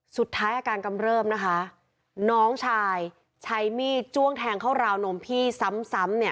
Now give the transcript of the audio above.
สุดท้ายอาการกำเริบนะคะน้องชายใช้มีดจ้วงแทงเข้าราวนมพี่ซ้ำซ้ำเนี่ย